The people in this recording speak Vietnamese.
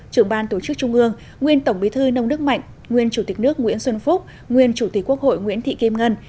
trưởng ban tổ chức trung ương nguyên tổng bí thư nông đức mạnh nguyên chủ tịch nước nguyễn xuân phúc nguyên chủ tịch quốc hội nguyễn thị kim ngân